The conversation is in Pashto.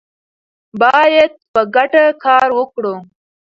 باید په ګډه کار وکړو.